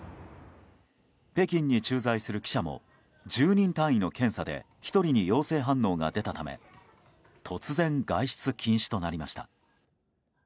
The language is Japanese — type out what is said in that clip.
北京に駐在する記者も１０人単位の検査で１人に陽性反応が出たため突然、外出禁止となりました。